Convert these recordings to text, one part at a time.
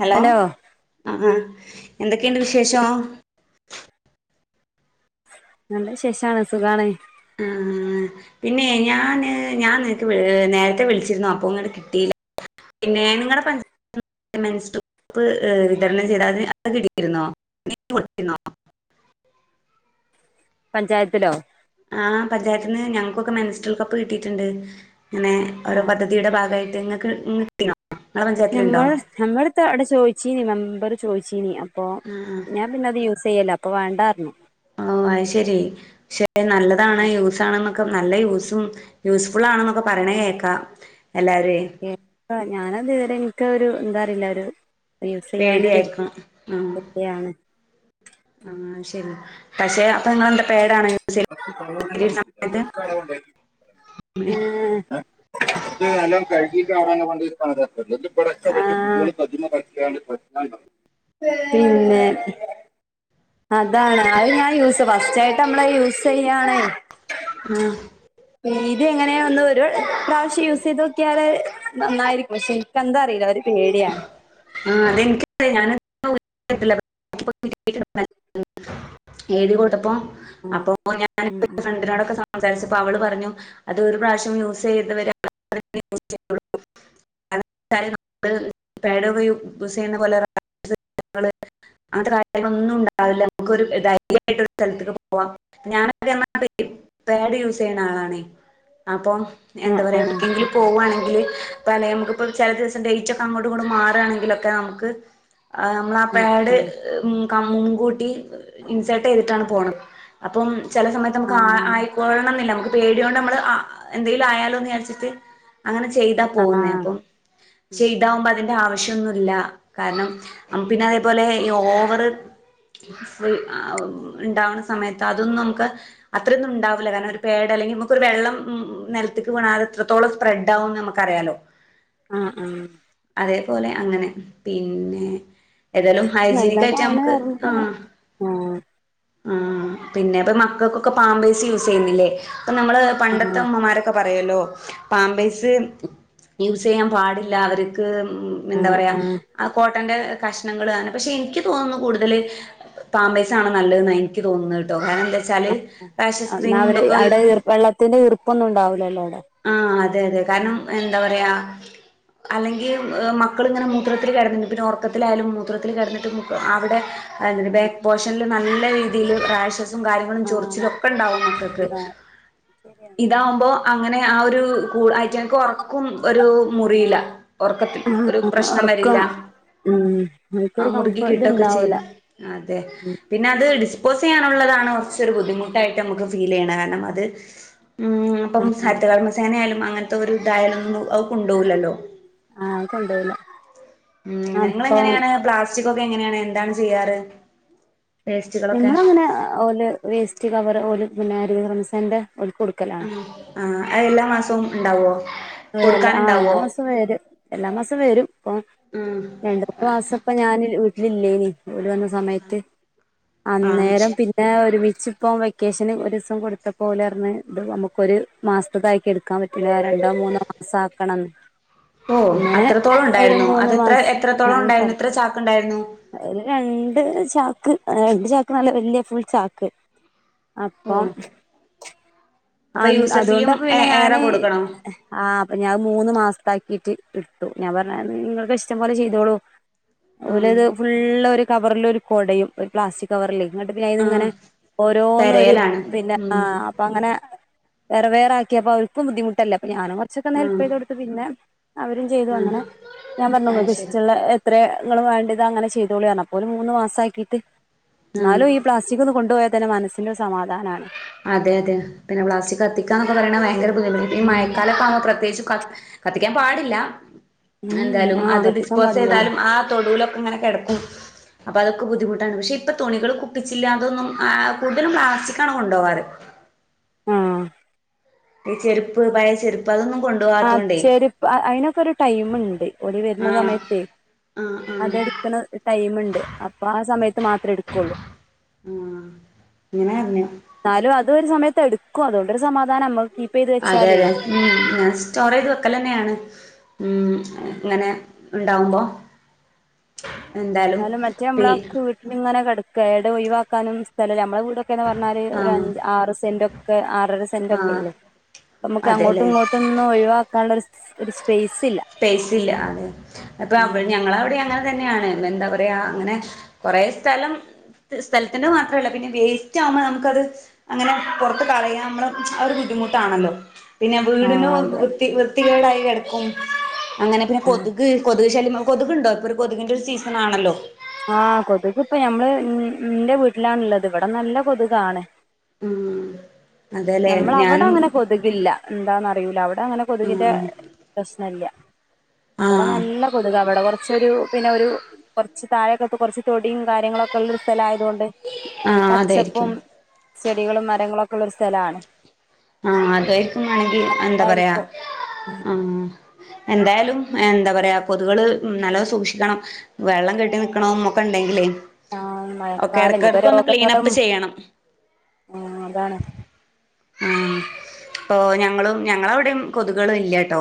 Hello ആഹ് ആഹ് എന്തൊക്കെയുണ്ട് വിശേഷം നല്ല വിശേഷാണ് സുഖണെ ആഹ് പിന്നെ ഞാന് ഞാൻ നിനക്ക് നേരത്തെ വിളിച്ചിരുന്ന് അപ്പൊ അങ്ങോട്ട് കിട്ടില്ല പിന്നെ നിങ്ങടെ പഞ്ചാ പിന്നെ മെൻസ്‌ട്രുൽ കപ്പ്‌ വിതരണം ചെയ്താതിന് അത് കിടിരുന്നോ വിട്ടി കൊടുത്തിരുന്നോ പഞ്ചായത്തിലോ ആഹ് പഞ്ചായത്തിൽ നിന്ന് ഞങ്ങക്കൊക്കെ മെൻസ്ട്രുൽ കപ്പ് കിട്ടിയിട്ടുണ്ട് ഇങ്ങനെ ഓരോ പദ്ധ തിടെ ഭാഗായിട്ട് നിങ്ങക്ക് ഞമ്മള് ഞമ്മടത്തെ അവിടെ ചോദിച്ചീനീ മെമ്പറ് ചോദിച്ചീനി അപ്പോ ആഹ് ഞാൻ പിന്നെ അത് യൂസ് ചെയ്യല്ല അപ്പോ വണ്ടാർന്ന് പറഞ്ഞു ഓ അത് ശരി. ഷെ നല്ലതാണ് യൂസ ആണ്ന്നൊക്കെ നല്ല യൂസും യൂസ്ഫുൾ ആണ്ന്നൊക്കെ പറെണെ കേക്കാ. എല്ലാരെ [unintelligible] ഞാനത് വെരെ ഇൻക്ക് ആഹ് ഒരു എന്താറിയില്ല ഒരു യൂസ് ചെയ്യാനോരു പേടിയായിരിക്കും ആഹ് പേടിയാണ് ആഹ് ശെരി പഷെ അപ്പൊ നിങ്ങെളെന്താ പേടാണോ യു [inaudible] [inaudible] [unintelligible] പിന്നെ അതാണ് അത് ഞാൻ യൂസ് ഫസ്റ്റ് ആയിട്ട് നമ്മള് യൂസ് ചെയ്യാണ്. ആഹ്. ത് എങ്ങനെയ ഒന്ന് ഒരു പ്രാവശ്യം യൂസ് ചെയ്ത് നോക്കിയാൽ നന്നായിരിക്കും പക്ഷ ഇനിക്ക് എന്താ അറില്ല ഒര് പേടിയാണ് [unintelligible] എഴുതി കൊട്തപ്പോ ഉം അപ്പൊ ഞാന് ന്റെ ഫ്രണ്ടിനോടൊക്കെ സം സംസാരിച്ചപ്പോ അവള് പറഞ്ഞു അത് ഒരു പ്രാവശ്യം യൂസ് ചെയ്തവരോക്കെ [inaudible] [inaudible] ഊസ് ചെയ്യണ പോലെ [inaudible] അങ്ങനത്തെ കാര്യങ്ങളൊന്നും ണ്ടാവില്ല നമുക്കൊരു ധൈര്യായിട്ട ഒരു സ്ഥലത്ത്ക്ക് പോവാം. ഞാനൊക്കൊ [inaudible] പാഡ് യൂസ് ചെയ്യണ ആളാണ് അപ്പൊ ഉം എന്താ പറയാ ഉം എവിടക്കെങ്കിലും പോവാണെങ്കില് പ്പ നമുക്കിപ്പ ചെല ദെവസ ഡേറ്റ് ഒക്കെ അങ്ങോട്ടു ഇങ്ങോട്ടു മാറാണെങ്കിലൊക്കെ നമുക്ക് ആഹ് അമ്മള പാഡ് കം മുകൂട്ടി ഇൻസർട്ട് യ്തിട്ടാണ് പോണത്. അപ്പം ചെല സമയത്ത് അമക്ക് ആ ആഹ് ആയിക്കോള്ളണം ന്നില്ല അമക്ക് പേടിഓണ്ട് അമ്മള് എന്തെങ്കിലും ആയാലോന്ന് ചാരിച്ചിട്ട് അങ്ങനെ ചെയ്താ ആഹ് പോകുന്നേ ആഹ് അപ്പം ചെയ്താവുമ്പോ അതിന്റെ ആവശ്യന്നുമല്ല കാരണം അമ് പിന്നെ അതേപോലെ ഈ ഓവറ് [unintelligible] ഇണ്ടാവണ സമയത്ത് അതൊന്നും മ്ക്ക് അത്രന്നും ണ്ടാവ [unintelligible] കാര്ണം ഒരു പേട അല്ലെങ്കിൽ വെള്ളം [unintelligible] നെൽത്ത്ക്ക് വീണാ അത് എത്രതോളം സ്പ്രെഡ് ആകുംന്ന് മ്മക്ക് അറിയാലോ. ആഹ് ആഹ്. അതേപോലെ അങ്ങനെ പിന്നെ ഏതായാലും ഹൈജീനിക് ആയിട്ട് നല്ലതാണ് അമ്ക്ക് പറഞ്ഞ് പറഞ്ഞ് ആഹ് ആഹ് ആഹ് പിന്നെപ്പ മക്കക്കൊക്കെ പാമ്പേസ് യൂസ് യ്യുന്നില്ലേ പ്പൊ നമ്മള് പണ്ടത്തെ ആഹ് മ്മമാരെ കൊ പറയല്ലോ പാമ്പേസ് യൂസ് യ്യാ പാടില്ല അവര്ക്ക് മ് ന്താ പറയാ? ആഹ് കോട്ടന്റെ കഷ്ണങ്ങള് ആണ് പഷെ എനിക്ക് തോന്നുന്നു കൂടുതല് പാമ്പെസാണ് നല്ലെന്നാ എനിക്ക് തോന്നുന്നെഹ് ട്ടോ കാരണം ന്താ ച്ചാല് [unintelligible] ക്രീമും തോക്കെ ത്തിന്റെഈർ പ്പൊന്നും ഉണ്ടാവിലല്ലോ അവ്ടെ. ആഹ് അതെ അതെ കാരണം എന്താ പറയാ? അല്ലെങ്കി മക്കളിങ്ങനെ മൂത്രത്തിൽ കെടന്നിണ്ട് ഒർക്കത്തിലായാലും മൂത്രത്തില് കെടന്നിട്ട് അവ്ടെ അഹ് ബാക്ക് പോഷന്നല് നല്ല രീതില് റാഷസും കാര്യങ്ങളും ചൊറിച്ചിലൊക്കെ ണ്ടാവും മക്കക്ക്. ആഹ് ശരിയാണ് ഇതാവുമ്പോ അങ്ങനെ ആഹ് ഒരു കൂള ആയിറ്റ് എനക്ക് ഒറക്കും ഒരു മുറിയില. ഒറക്കത്തിൽ ഒരു പ്രശ്നം ഉറക്കം വരില്ല ഉം എനിക്കൊരു ആഹ് മുറുകി കംഫർട്ട് കിട്ടൊക്കെ ചെയ്യും. ഇതുണ്ടാവൂല അതെ. പിന്നെ അത് ഡിസ്പോസ് ചെയ്യാനുള്ളതാണ് കൊർചോരു ബുദ്ധിമുട്ടായിട്ട് അമക്ക് ഫീൽ യ്യണെ കാരണം അത് അപ്പം ആഹ് ഹരിതകർമ്മസേനയാലും അങ്ങൻത്തെ ഒരു തായാലൊന്നും അഹ് കൊണ്ടോലല്ലോ ആഹ് കൊണ്ടോവുല. ഉം നിങ്ങള് എങ്ങനെണ് പ്ലാസ്റ്റിക് ഒക്കെ എങ്ങന്യേണ് എന്താണ് ചെയ്യാറ്? വേസ്റ്റുകളൊക്കെ ഞമ്മള് അങ്ങനെ ഓല് വേസ്റ്റ് കവർ ഓല് പിന്നെ റംസാന്റെ ഓല്കൊടു ആഹ് ആഹ് അത് എല്ലാ മാസവും ഉണ്ടാവോ അവല്ല ആഹ് എല്ലാ കൊടുക്കാനുണ്ടാവോ മാസവും വരും എല്ലാ മാസം വരും ഇപ്പൊ ഉം രണ്ട് മാസംപ്പ ഞാൻ വീട്ടിലില്ലേനി വീട് വന്ന സമയത്ത് ആ അന്നേരം ശരി പിന്ന പിന്നെ ഒരുമിച്ച് ഇപ്പം വെക്കേഷന് ഒരു ദിവസം കൊടുത്ത പോലെ ഇറന്ന് ഇത് നമുക്കൊരു മാസത്ത ആക്കി എടുക്കാൻ പറ്റും പിന്നെ രണ്ടോ മൂന്നോ മാസ ആക്കണം ഓ അത്രത്തോളം ഉണ്ടായിരുന്നു അതെത്ര മാസം എത്രത്തോളം അത് ഉണ്ടായിരുന്നു കൊറച്ച് എത്ര ചാക്ക് ഉണ്ടായിരുന്നു ഒരു രണ്ട് ചാക്ക് രണ്ട് ചാക്ക് നല്ല വല്യ ഫുൾ ചാക്ക് ഓ അപ്പം അ അപ്പൊ യൂസർഫീയും അതുകൊണ്ടപ്പ എ പിന്നെ ഏറെ ഞാന് കൊടുക്കണോ ആഹ് അപ്പ ഞാത് മൂന്ന് മാസാക്കിയിട്ട് ഇടുത്തു ഞാൻ പറഞ്ഞ നിങ്ങൾക്ക് ഇഷ്ടം പോലെ ചെയ്തോളൂ ആഹ് ഓലത് ഫുള്ള് ഒരു കവറിലൊരു കൊടയും ഒരു പ്ലാസ്റ്റിക് കവറില് ഇങ്ങട്ട് പിന്നെ ഇതി ആഹ് ഇങ്ങനെ ഓരോന്നും ഒരു തെരയലാണ് പിന്നെ ഉം ആഹ് അപ്പൊ അങ്ങനെ വേറെ വേറെ ആക്കിയപ്പൊ അവർക്കും ബുദ്ധിമുട്ടല്ലേ അപ്പൊ ഞാനും കുറച്ചൊക്കെ ഒന്ന് ഹെൽപ് ആഹ് ചെയ്ത് കൊടുത്ത് പിന്നെ അവരും ചെയ്തു ആഹ് അങ്ങനെ ഞാൻ പറഞ്ഞു അത് ശരി നിങ്ങൾക്കിഷ്ട്ടൊള്ള ഇത്ര ങ്ങൾ വേണ്ടത് അങ്ങനെ ചെയ്തോളിയാണ് അപ്പൊ ഒരു മൂന്ന് മാസ ആക്കിയിട്ട് ആഹ് എന്നാലും ഈ പ്ലാസ്റ്റിക്കൊന്ന് കൊണ്ട് പോയാൽ തന്നെ മനസ്സിനൊരു സമാധാന അതെ അതെ പിന്നെ പ്ലാസ്റ്റിക് കത്തിക്കാന്നൊക്കെ പറയണ ഭയങ്കര ബുദ്ധമുട്ട ഈ ഉം മയക്കാലത്താകുമ്പ പ്രേത്യേകിച്ചു കത്തിക്കാൻ പാടില്ല ഉം എന്തായാലും ആഹ് അത് കത്തിക്കാൻ ഡിസ്പോസ് പാടില്ലല്ലോ ചെയ്താലും ആ തൊടുവിലൊക്കെ ഇങ്ങനെ കിടക്ക അപ്പൊ അതൊക്കെ ബുദ്ധിമുട്ടാണ് പക്ഷെ ഇപ്പൊ തുണികൾ കുപ്പിച്ചില്ല അതൊന്നും കൂടുതലും പ്ലാസ്റ്റിക്ക കൊണ്ടോവാറ് ആഹ് ഈ ചെരുപ്പ് പഴയ ചെരുപ്പ് അതൊന്നും കൊ ആഹ് ചെരുപ്പ് അയ്നൊക്കെ ഒരു ടൈമുണ്ട് ഓര് വരുന്ന ആഹ് സമയത്തേ ആഹ് ആഹ് അതെടുക്കുന്ന ടൈമുണ്ട് അപ്പൊ ആ സമയത്ത് മാത്രേ എടുക്കുള്ളൂ ഇങ്ങനെയിരുന്നു ന്നാലും അത് ഒരു സമയത്ത് എടുക്കും അതുകൊണ്ടൊരു സമാധാനം നമ്മുക്ക് അതെ അതെ ഉം ഞാൻ സ്റ്റോർ ചെയ്ത് വെകലന്നെയാണ് ഉം ഇങ്ങനെ ഇണ്ടാവുമ്പോ എന്തായാലും പി ഇങ്ങനെ കിടക്ക എട ഒഴിവാക്കാനും സ്ഥലം നമ്മള കൂടെ ക്കന്ന് പറഞ്ഞാല് ആഹ് ഒരഞ്ച് ആറ് സെന്റ് ഒക്കെ ആറര സെന്റ ഒക്കെ ആഹ് ഉള്ളൂ നമുക്ക് അങ്ങോട്ടും അതെല്ലേ ഇങ്ങോട്ടും ഇതൊന്നും ഒഴിവാക്കാനുള്ള ഒരു ഒരു സ്പേസ് ഇല്ല സ്പേസില്ല അതെ അപ്പൊ അവൾ ഞങ്ങള അവിടെ അങ്ങനെ തന്നെയാണ് എന്താ പറയാ അങ്ങനെ കുറെ സ്ഥലം സ്ഥലത്തിന്റെ മാത്രമല്ല പിന്നെ വേസ്റ്റ് ആവുമ്പ നമുക്കത് അങ്ങനെ പുറത്ത് കളയാൻ നമ്മള് അതൊരു ബുദ്ധിമുട്ടാണല്ലോ പിന്നെ ആ വീടിനു അതെ വൃത്തി വൃത്തികേടായി കിടക്കും അങ്ങനെ പിന്നെ കൊതുക് കൊതുക് ശല്യം കൊതുകുണ്ടോ ഇപ്പൊ ഒരു കൊതുകിന്റെ ഒരു സീസൺ ആണല്ലോ ആഹ് കൊതുക് ഇപ്പൊ ഞമ്മള് എന്റെ വീട്ടിലാണുള്ളത് ഇവിടെ നല്ല കൊതുകാണ് ഉം അതെല്ലേ നമ്മൾ അവിടെ ഞാനും അങ്ങനെ കൊതുകില്ല എന്താന്ന് അറിയില അവിടെ അങ്ങനെ കൊതുകിന്റെ ആഹ് പ്രശ്നല്ല ഇവിടെ ആഹ് നല്ല കൊതുക് അവിടെ കൊറച്ചൊരു പിന്നെ ഒരു കുറച്ച് താഴൊക്കത്ത് കുറച്ച് തൊടിയും കാര്യങ്ങളൊക്കെ ഉള്ളരു സ്ഥല ആയതുകൊണ്ട് ആഹ് പച്ചപ്പും അതായിരിക്കും ചെടികളും മരങ്ങളുമൊക്കെ ഉള്ളൊരു സ്ഥലമാണ് ആഹ് അതക്കും വേണെങ്കിൽ എന്താ പറയാ അതായിരിക്കും ആഹ് എന്തായാലും എന്താ പറയാ കൊതുകള് നല്ല സൂക്ഷിക്കണം വെള്ളം കെട്ടി നിക്കണന്നൊക്കെ ഉണ്ടെങ്കിലേ ആഹ് ഒക്കെ മഴക്കാലം ഇനീപ്പ ഇടക്കിടക്ക് ഒന്ന് ക്ലീൻ രോഗങ്ങളും അപ്പ് ചെയ്യണം ആഹ് അതാണ് ഉം ഓ ഞങ്ങളും ഞങ്ങളവിടെയും കൊതുകുകൾ ഇല്ലാട്ടോ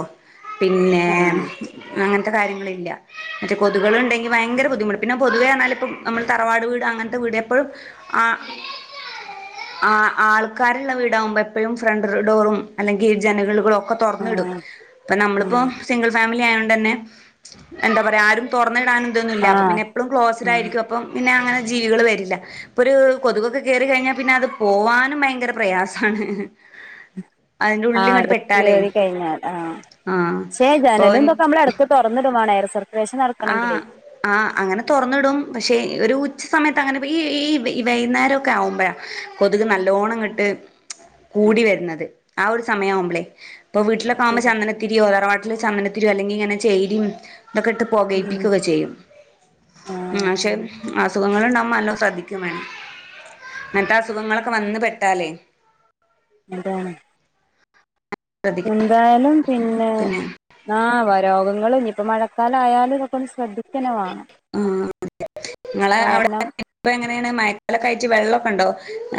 പിന്നെ ആ അങ്ങനത്തെ കാര്യങ്ങളില്ല മറ്റേ കൊതുകളുണ്ടെങ്കിൽ ഭയങ്കര ബുദ്ധിമുട്ട് പിന്നെ പൊതുവേ എന്നാൽ ഇപ്പം നമ്മള് തറവാട് വീട് അങ്ങൻത്തെ വീട് എപ്പോഴും ആഹ് ആഹ് ആൾക്കാരള്ള വീടകുമ്പോ എപ്പോ എപ്പഴും ഫ്രണ്ട്ഡോറും അല്ലെങ്കി ജനകള്കളൊക്കെ തൊറന്നിടും ആ അപ്പൊ ഉം നമ്മളിപ്പോ സിംഗിൾ ഫാമിലിയായോണ്ടന്നെ എന്താ പറയാ ആരും തെർന്നിടാനു ഇതൊന്നുല്ല ആ അപ്പ പിന്നെ എപ്പളും ക്ലോസ്ഡ് ഉം ആരിക്കുപ്പം പിന്നെ അങ്ങനെ ജീവികള് വരില്ല ഇപ്പൊ ഒരു കൊതുകൊക്കെ കേറി കയിഞ്ഞാപിന്നെ അത് പോവാനും ഭയങ്കര പ്രയാസാണ് അതിന്റെ [inaudible] ഉള്ളിൽ ആഹ് ഇങ്ങോട്ട് അകത്ത് പെട്ടാലേ കേറികയിഞ്ഞാൽ ആഹ് ആഹ് ശേ ജനലതൊക്കെ ഇപ്പൊ നമ്മളടു തുറന്നിടു വേണം എയർ സർക്കുലേഷൻ നടക്കണെങ്കിൽ ആഹ് ആഹ് അങ്ങനെ തെറന്നിടും പശെ ഒരു ഉച്ച സമയത്ത് അങ്ങനെ ഈ ഈ ഈ വൈ വൈന്നേരക്കെ ആഉമ്പോഴ കൊതുക് നല്ലോണങ്ങ്ട്ട് കൂടി വെരന്നത് ആ ഒരു സമയമാവുമ്പളേ ഇപ്പൊ വീട്ടലൊക്കെമ്പോ ചന്നന തിരിയോ തറവാട്ടില് ചന്ദനത്തിരിയോ അല്ലെങ്കി ഇങ്ങനെ ചേരിയും ഇതൊക്കെ ഇട്ട് ഉം പോകേപ്പിക്കചെയ്യും ആ ഉം ശെ അസുഖങ്ങളുണ്ടാകുമ്പോ നല്ലോ ശ്രദ്ധിക്കീവേണം ഇങ്ങത്തെ ആസുഖങ്ങളൊക്കെ വന്ന് പെട്ടാലേ അതാണ് ശ്രദ്ധിക്കണം എന്തായാലും പിന്നെ ആഹ് വരെ രോഗങ്ങള് ഇപ്പ മഴക്കാലായാല് ഇതൊക്കന്ന് ശ്രദ്ധികന്നെ വാണം കാരണം ഇപ്പൊ എങ്ങനെയാണ് മയക്കാലൊക്കായിറ്റ് വെള്ളക്കെ ഇണ്ടോ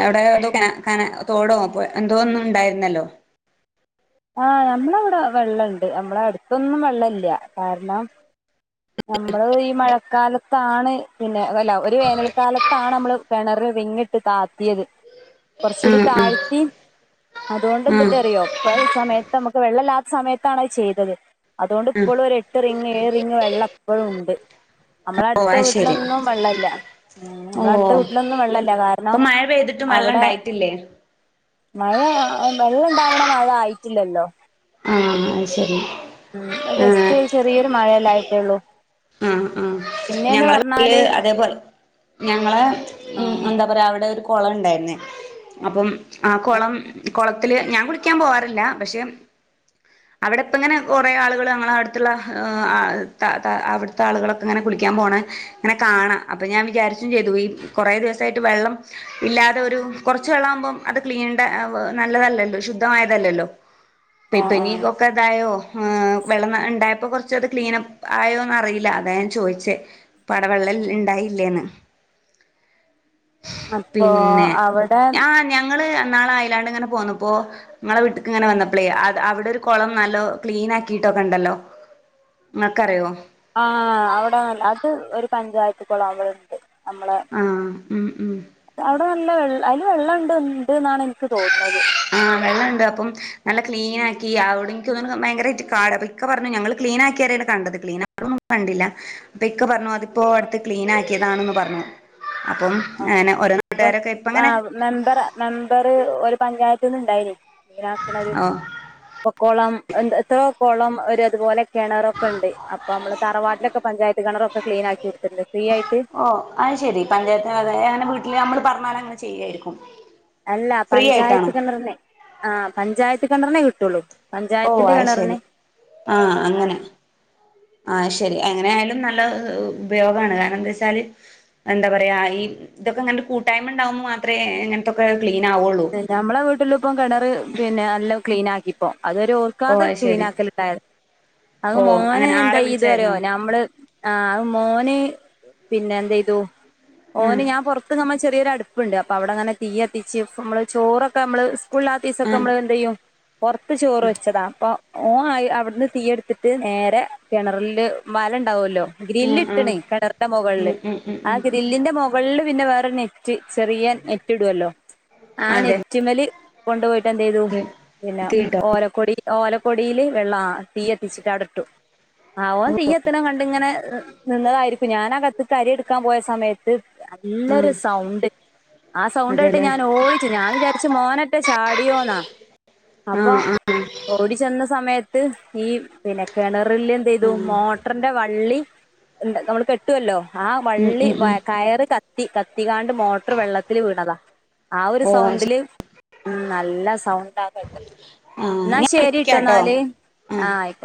അവിടെ ഏതോ കെന കനാ തോടോ പൊയ എന്തോ ഒന്നുണ്ടായിരുന്നല്ലോ ആഹ് നമ്മളവിടെ വെള്ളണ്ട് നമ്മള അടുത്തൊന്നും വെള്ളല്ല കാരണം നമ്മള് ഈ മഴക്കാലത്താണ് പിന്നെ അല്ല ഒരു വേനൽക്കാലത്താണ് നമ്മള് കെണറ് റിങ്ങിട്ട്താത്തിയത് ഉം കെറച്ചുകൂടി ഉം താഴ്ത്തി അതൊണ്ട് ഉം എന്തിണ്ടെന്നെറിയോ സമയത്ത് നമ്മക്ക് വെളളുല്ലാത്ത സമയത്താണ് അത് ചെയ്തത് അതുകൊണ്ട് ഉം ഇപ്പോഴും ഒരു എട്ട്റിങ്ങ് ഏഴ്റിങ്ങ് വെള്ളപ്പഴും ഇണ്ട് നമ്മള ഓ അടുത്ത അത് ശരി വീട്ടിലൊന്നും വെള്ളല്ല ഉം ഓ നമ്മടെ അടുത്ത വീട്ടിലൊന്നും വെള്ളല്ല കാരണം ഇപ്പൊ മഴ പെയ്തിട്ടും വെള്ളം അവിടെ ഉണ്ടായിട്ടില്ലേ മഴ വെള്ള ഇണ്ടാവണ മഴ ആയിട്ടില്ലല്ലോ ആഹ് അത് ശരി ഉം ആഹ് ജെസ്റ്റ് ചെറിയൊരു മഴയെല്ലായിട്ടേള്ളൂ ഉം ഉംഞങ്ങളെ വീട്ടില് അതേപോലെ ഞങ്ങളെ ഉം ആഹ് എന്താപറയാ അവിടെ ഒരു കൊളണ്ടായിര്ന്നേ അപ്പം ആ കൊളം കൊളത്തില് ഞാൻ കുളിക്കാൻ പോവാറില്ല പക്ഷെ അവിടെപ്പങ്ങനെ കേറെ ആളുകള് ഞങ്ങളടത്തുള്ള താതാ അവിടെ ത്തളുകളൊക്കെ ഇങ്ങനെ കുളിക്കാപോണങ്ങന കാണാം അപ്പൊ ഞാൻ വിചാരിച്ചും ചെയ്തു ഈ കുറെ ദെവസായിട്ട് വെള്ളം ഇല്ലാതെ ഒരു കെർച്ച് വെള്ളാഉമ്പോം അത് ക്ലീൻ ഡ നല്ലതല്ലല്ലോ ശുദ്ധമായതല്ലല്ലോ ഇപ്പ ആഹ് ആഹ് പ്പനികൊക്കെ ഇതായോ വെള്ളം ഉണ്ടായപ്പോ കെറച്ചത് ക്ലീൻപ്പ് ആയോന്നറിയില്ല ഇല്ല അതാഞാൻ ചോയിച്ചേ ഇപടവെള്ളല്ലേ ഇണ്ടായില്ലേന്ന് അപ്പൊ പിന്നെ അവിടെ ആഹ് ഞങ്ങള് ഇന്നാള അയലാണ്ട് ഇങ്ങനെ പോന്നപ്പോ നിങ്ങളെ വീട്ട്ക്കിങ്ങനെ വന്നപ്പോളേ അത അവിടെ ഒരു കൊളം നല്ലോ ക്ലീൻ ആക്കിട്ടൊക്കെ ഇണ്ടല്ലോ നിങ്ങക്കറിയോ ആഹ് അവിടെ അത് ഒരു പഞ്ചായത്ത് കൊളം അവിടെണ്ട് നമ്മളെ ആഹ് ഉം ഉം അതെ നല്ല വെള്ള ആയില് വെള്ള ഇണ്ട് ണ്ട്ന്നാണ് എനിക്ക് തോന്നുന്നത് ആഹ് വെള്ളുണ്ട് അപ്പം നല്ല ക്ലീനാക്കി അവിടെ നക്ക്ന്നോണ് ഭയങ്കരായിട്ട് കാട് ഇക്ക പറഞ്ഞു ഞങ്ങള് ക്ലീനാക്കിരാണ് കണ്ടത് ക്ലീനാണോ കണ്ടില്ല അപ്പിക്ക പറഞ്ഞു അത് ഇപ്പോ അടുത്ത് ക്ലീനാക്കിയതാണന്ന് പറഞ്ഞു അപ്പം അങ്ങനെ ഓരോ നൂട്ടുകാരൊക്കെ ഇപ്പ അങ്ങനെ മെമ്പറാ മെമ്പറ് ഒരു പഞ്ചായത്തിന്ന് ഇണ്ടായിന് ക്ലീനാക്കണ ഒരു ഓഹ് പ്പൊക്കളം എ എത്രോ കൊളം ഒരു അതുപോലെ കിണറൊക്കെണ്ട് അപ്പൊ നമ്മള് താറവാട്ടിലൊക്കെ പഞ്ചായത്ത് കിണറൊ പ്പക്ലീനാക്കി എടുത്തിണ്ട് ഫ്രീ ആയിട്ട് ഓ അയ് ശെരി പഞ്ചായത്ത് അങ്ങനെ വീട്ടില് നമ്മള് പറഞ്ഞാലങ്ങനെ ചെയ്യായിരിക്കും എല്ല ഫ്രീ ആയിട്ടാണോ പഞ്ചായത്ത് കിണറിന് ആ പഞ്ചായത്ത് കിണറിനേ കിട്ടുള്ളൂ ഓ പഞ്ചായത്തിന്റെ അയ് കിണറിന് ശെരി ആഹ് ആ അങ്ങനെ ആഹ് ശെരി എങ്ങനെ ആയാലും നല്ല ഉപയോഗാണ് കാരണം എന്താച്ചാല് എന്താ പറയാ ഈ ഇതൊക്കെ ഇങ്ങന കൂട്ടായ്മ ഇണ്ടാവുമ്പോ മാത്രമേ ഇങ്ങൻത്തൊക്കെ ക്ലീനാവുള്ളൂ ഞമ്മളെ വീട്ടിലുപ്പം കിണറ് പിന്നെ എല്ലം ക്ലീൻ ആക്കിപ്പോ അതൊരു ഓ ഇക്കാക്ക അത് ക്ലീൻ ശരി ആക്കലുണ്ടായിരുന്നു അത് ഓ മോനെ അങ്ങനെ എന്താ ആളെ ഇത് അറിയോ വിളിച്ചായിരുന്നോ നമ്മള് ആഹ് മോന് പിന്നെന്ത്‌ ചെയ്തു ഉം മോന് ഞാൻ പൊ നമ്മചെറിയൊരടുപ്പുണ്ട് അപ്പോ അവിടെങ്ങന തീയത്തിച്ച് നമ്മള് ചോറൊക്കെ മ്മള് സ്കൂളില സൊക്കെ ആഹ് നമ്മള് എന്ത്‌യ്യും പുറത്ത് ചോറ് വെച്ചതാ അപ്പൊ ഓൻ അവിടുന്ന് തീ എടുത്തിട്ട് നേരെ കിണറില് വല ഉണ്ടാവല്ലോ ഉം ഗ്രില്ലിട്ടിണ് ഉം കെണറിന്റെ മൊകളില് ഉം ഉം ഉം ആ ഉം ഗ്രില്ലിന്റെ മൊ മുകളില് പിന്നെ വേറെ നെറ്റ് ചെറിയ നെറ്റി ടുഅല്ലോ ആ അതെ നെറ്റിമ്മല് കൊണ്ടുപോയിട്ട് എന്ത് ചെയ്തു പിന്ന തീട്ടോ ഓലക്കൊടി ഓലക്കൊടില് വെള്ളാ തീ കത്തിച്ചിട്ട് ആ ഇട്ടു ആ ഓൻ തീ കത്തണ കണ്ടിങ്ങനെ നിന്നതായിരിക്കും ഞാനകത്ത് കരി എടു ക്കാൻ പോയ സമയത്ത് നല്ലൊരു ആഹ് സൗണ്ട് ആ സൗണ്ട് കേട്ട് അതെല്ലേ ഞാൻ ഓടി ച് ഞാൻ വിചാരിച് മോനറ്റ ചാടിയോന്നാ അപ്പൊ ആഹ് ആഹ് ആഹ് ഓടി ചെന്ന സമയത്ത് ഈ പിന്നെ കിണറില് എന്ത് ചെയ്തു മോട്ടറിന്റെ വള്ളി നമ്മള് കെട്ടുവല്ലോ ആ ഉം വള്ളി ഉം വ ഉം കയറ് ക ത്തി കത്തികാണ്ട് മോട്ടറ് വെള്ളത്തില് വീണതാ ആ ഒരു ഓ അത് ശരി സൗണ്ടില് ഉം നല്ല സൗണ്ട കേട്ടെ ആഹ് എന്നാ ഞാൻ ശരി ട്ടോ വിളിക്കാട്ടോ ന്നാല് ആഹ്